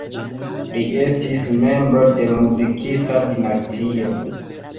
Li estis membro de muzikista dinastio.